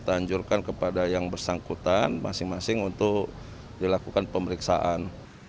kita anjurkan kepada yang bersangkutan masing masing untuk dilakukan pemeriksaan